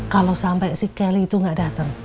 kalau sampai si kelly itu nggak datang